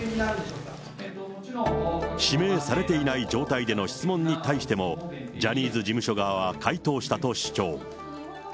指名されていない状態での質問に対しても、ジャニーズ事務所側は回答したと主張。